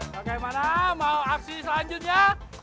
bagaimana mau aksi selanjutnya